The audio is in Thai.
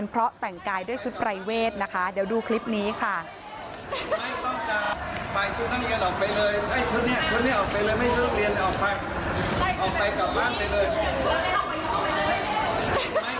ถ้าเกิดว่าแต่งชุดอย่างนี้มาทั้งหมดเดี๋ยวเราดูสภาพสิมันไม่ได้